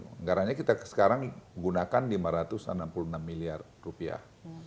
anggarannya kita sekarang gunakan lima ratus enam puluh enam miliar rupiah